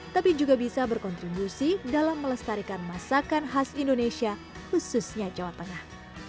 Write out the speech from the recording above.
tapi juga bisa berkontribusi dalam melestarikan masakan khas indonesia khususnya jawa tengah